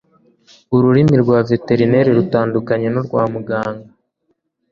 ururimi rwa veterineri rutandukanye n' urwa muganga